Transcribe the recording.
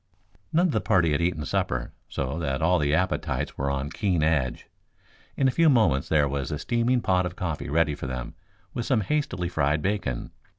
None of the party had eaten supper, so that all the appetites were on keen edge. In a few moments there was a steaming pot of coffee ready for them, with some hastily fried bacon.